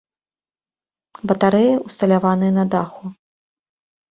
Батарэі ўсталяваныя на даху.